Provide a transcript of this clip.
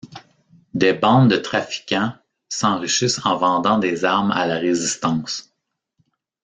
Des bandes de trafiquants s'enrichissent en vendant des armes à la résistance.